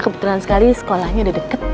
kebetulan sekali sekolahnya udah deket